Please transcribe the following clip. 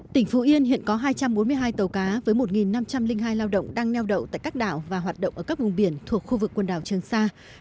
tỉnh phú yên hiện có hai trăm bốn mươi hai tàu cá với một năm trăm linh hai lao động đang neo đậu tại các đảo và hoạt động ở các vùng biển thuộc khu vực quần đảo trường sa